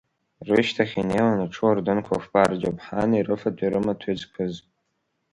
Рышьҭахь инеиуан аҽуардынқәа фба, рџьаԥҳани, рыфатәи, рымаҭәеи зқәыз.